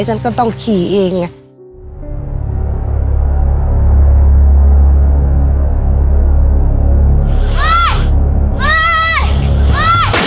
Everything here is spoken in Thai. ฉันก็เลยไม่ไว้ใจฉันก็ต้องขี่เอง